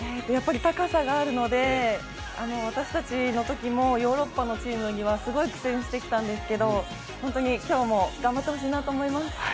高さがあるので、私たちのときもヨーロッパのチームにはすごい苦戦してきたんですけど、本当に今日も頑張ってほしいなと思います。